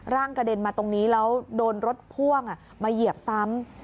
กระเด็นมาตรงนี้แล้วโดนรถพ่วงมาเหยียบซ้ำ